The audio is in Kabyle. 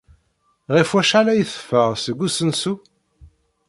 Ɣef wacḥal ay teffeɣ seg usensu?